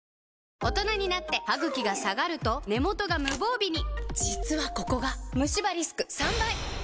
大人になってハグキが下がると根元が無防備に実はここがムシ歯リスク３倍！